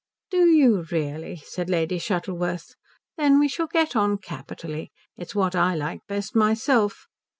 "Do you really?" said Lady Shuttleworth. "Then we shall get on capitally. It's what I like best myself.